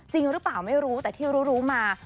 จริงหรือเปล่าไม่รู้แต่ที่รู้มา